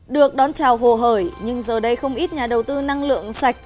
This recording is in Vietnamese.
được đón chào hồ hời nhưng giờ đây không ít nhà đầu tư năng lượng sạch